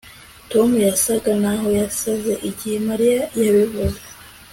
Tom yasaga naho yasaze igihe Mariya yabivuze